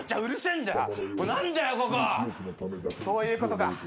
そういうことか。